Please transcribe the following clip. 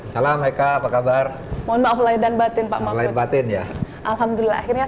sebelah kandidat capres dua ribu dua puluh empat